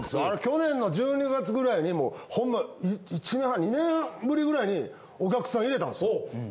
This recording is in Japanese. あれ去年の１２月ぐらいにもうホンマ１年半２年ぶりぐらいにお客さん入れたんですよ。